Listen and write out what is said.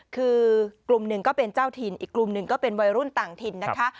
คือกลุ่มหนึ่งก็เป็นเจ้าถิ่นอีกกลุ่มหนึ่งก็เป็นวัยรุ่นต่างถิ่นนะคะ